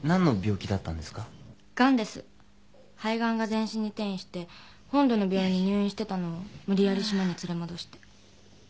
肺ガンが全身に転移して本土の病院に入院してたのを無理やり島に連れ戻して。